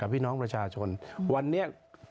พี่น้องประชาชนวันนี้